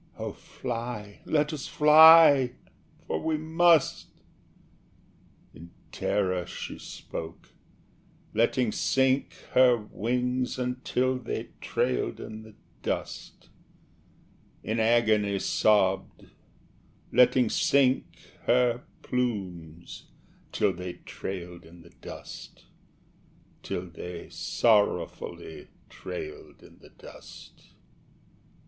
Oh, fly! let us fly! for we must." In terror she spoke, letting sink her Wings until they trailed in the dust In agony sobbed, letting sink her Plumes till they trailed in the dust Till they sorrowfully trailed in the dust.